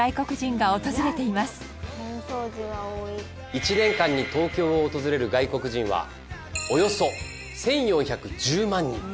１年間に東京を訪れる外国人はおよそ１４１０万人。